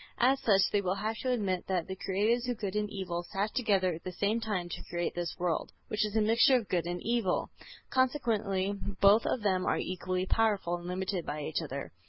As such they will have to admit that the Creators of good and evil sat together at the same time to create this world, which is a mixture of good and evil. Consequently, both of them are equally powerful, and limited by each other.